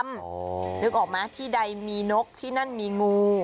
นึกออกไหมที่ใดมีนกที่นั่นมีงู